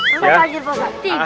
apa bagian bapak